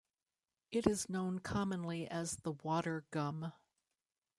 It is known commonly as the water gum.